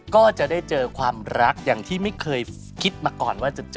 ก็จะได้เจอความรักอย่างที่ไม่เคยคิดมาก่อนว่าจะเจอ